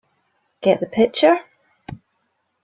Get the Picture?